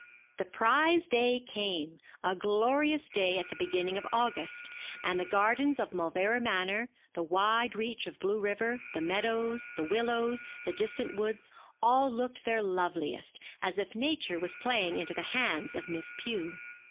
The prize day came, a glorious day at the beginning of August, and the gardens of Mauleverer Manor, the wide reach of blue river, the meadows, the willows, the distant woods, all looked their loveliest, as if Nature was playing into the hands of Miss Pew.